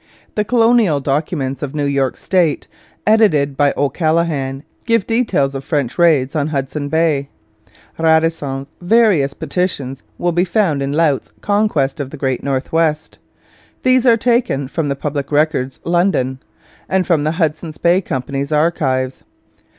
The Colonial Documents of New York State (16 vols.), edited by O'Callaghan, give details of French raids on Hudson Bay. Radisson's various petitions will be found in Laut's Conquest of the Great North West. These are taken from the Public Records, London, and from the Hudson's Bay Company's Archives.